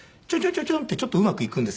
ちょちょんってちょっとうまくいくんですよ。